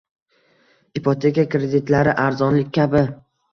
Ipoteka kreditlari "arzonlik" kabi